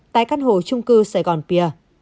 tại căn hồ trung cư saigon pier